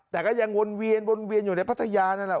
แต่ก็ยังวนเวียนวนเวียนอยู่ในพัทยานั่นแหละ